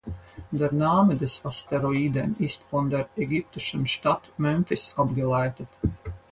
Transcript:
Der Name des Asteroiden ist von der ägyptischen Stadt Memphis abgeleitet.